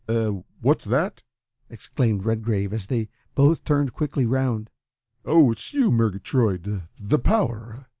"Eh! What's that?" exclaimed Redgrave, as they both turned quickly round. "Oh, it's you, Murgatroyd. The power?